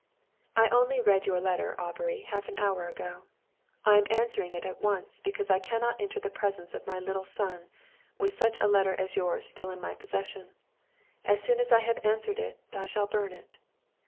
"I only read your letter, Aubrey, half an hour ago. I am answering it at once, because I cannot enter the presence of my little son, with such a letter as yours still in my possession. As soon as I have answered it I shall burn it.